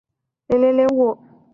客人听到后还是坚持要交货